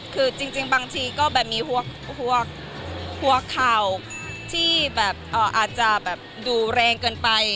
คือจริงบางทีก็มีพวกเขาที่อาจจะดูแรงเกินไป